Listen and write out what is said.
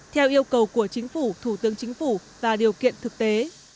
theo yêu cầu của chính phủ thủ tướng chính phủ và điều kiện thực tế